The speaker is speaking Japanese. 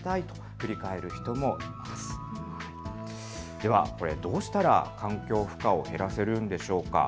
ではこれ、どうしたら環境負荷を減らせるんでしょうか。